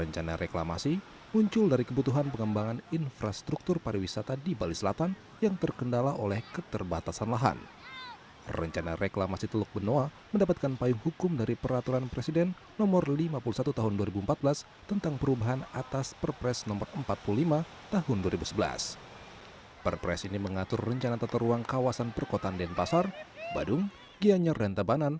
jangan lupa like share dan subscribe ya